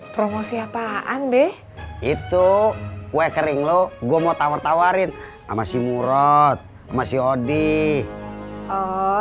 promosi apaan deh itu kue kering lu gua mau tawar tawarin ama si murad masih odi oh